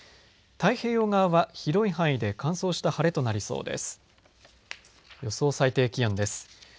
太平洋側は広い範囲で乾燥した晴れとなりそうです。